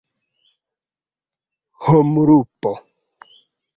homlupo